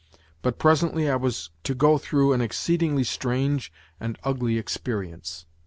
But presently I was to go through an exceedingly strange and ugly experience.